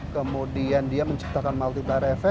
kemudian dia menciptakan multi bar efek